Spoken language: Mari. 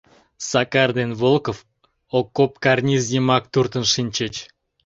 Сакар ден Волков окоп карниз йымак туртын шинчыч.